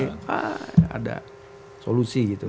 maka ada solusi gitu